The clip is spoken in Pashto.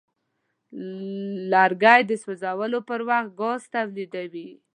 لرګی د سوځولو پر وخت ګاز تولیدوي.